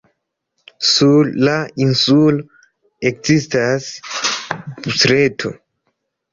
Sur la insulo ekzistas busreto.